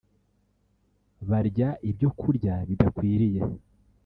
barya ibyo kurya bidakwiriye